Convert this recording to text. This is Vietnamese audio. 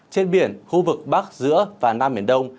trên biển khu vực bắc giữa và nam biển đông